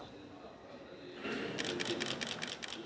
gubernur dki jakarta nonaktif